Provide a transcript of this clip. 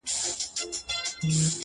o دا زما د کوچنيوالي غزل دی ؛؛